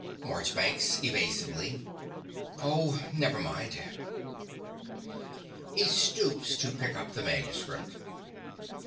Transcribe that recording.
MARCHBANKS (evasively). Oh, never mind. (He stoops to pick up the manuscript.)